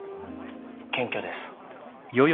「謙虚」です。